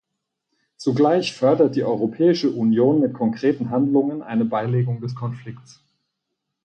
Zugleich fördert die Europäische Union mit konkreten Handlungen eine Beilegung des Konflikts.